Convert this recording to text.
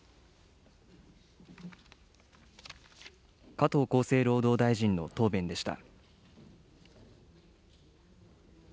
加藤厚生労働大臣の答弁でした。